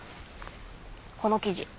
この記事。